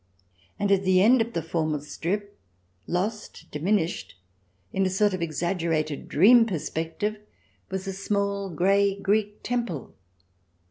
And at the end of the formal strip, lost, diminished, in a sort of exaggerated dream perspective, was a small grey Greek Temple.